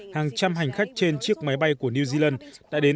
hàng trăm hành khách trên chiếc máy bay của new zealand đã đến